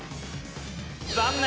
残念。